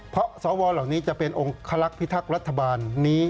เพราะสวเหล่านี้จะเป็นองคลักษณ์พิทักษ์รัฐบาลนี้